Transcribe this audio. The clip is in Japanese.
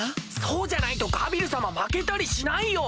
そうじゃないとガビル様負けたりしないよ！